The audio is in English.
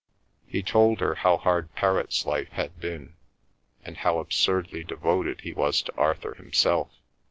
He told her how hard Perrott's life had been, and how absurdly devoted he was to Arthur himself.